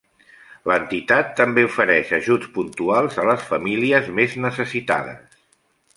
L'entitat també ofereix ajuts puntuals a les famílies més necessitades.